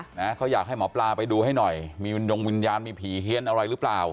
นะเขาอยากให้หมอปลาไปดูให้หน่อยมีวินยงวิญญาณมีผีเฮียนอะไรหรือเปล่า